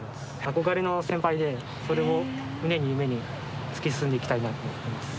憧れの先輩でそれを胸に夢に突き進んでいきたいなと思ってます。